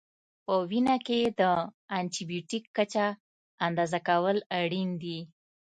په وینه کې د انټي بیوټیک کچه اندازه کول اړین دي.